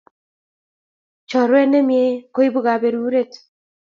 Choruet nemie koipu kaberuret